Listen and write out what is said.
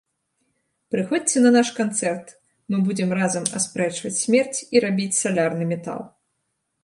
Прыходзьце на наш канцэрт, мы будзем разам аспрэчваць смерць і рабіць салярны метал!